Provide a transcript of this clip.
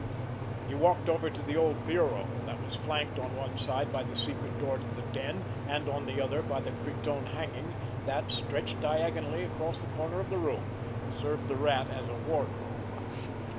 He walked over to the old bureau, that was flanked on one side by the secret door to the den, and on the other by the cretonne hanging that, stretched diagonally across the corner of the room, served the Rat as a wardrobe.